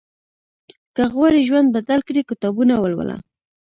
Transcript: که غواړې ژوند بدل کړې، کتابونه ولوله.